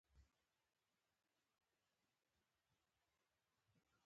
کرکټ د انګلستان يوه پخوانۍ بازي ده.